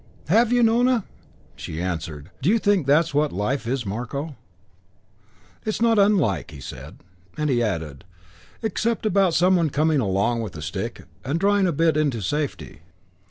"Have you, Nona?" She answered, "Do you think that's what life is, Marko?" "It's not unlike," he said. And he added, "Except about some one coming along with a stick and drawing a bit into safety.